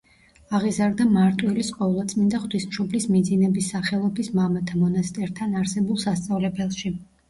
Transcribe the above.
აღიზარდა მარტვილის ყოვლადწმიდა ღვთისმშობლის მიძინების სახელობის მამათა მონასტერთან არსებულ სასწავლებელში.